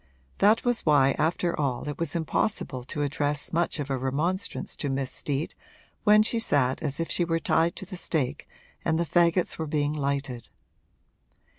That was why after all it was impossible to address much of a remonstrance to Miss Steet when she sat as if she were tied to the stake and the fagots were being lighted.